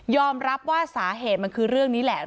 รับว่าสาเหตุมันคือเรื่องนี้แหละ